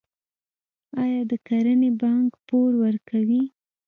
آیا د کرنې بانک پور ورکوي؟